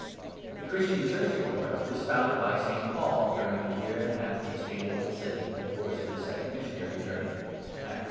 The Christian Church at Corinth was founded by St. Paul during the year and a half that he stayed in that city in the course of his second missionary journey (Acts 18.